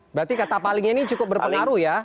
berarti kata palingnya ini cukup berpengaruh ya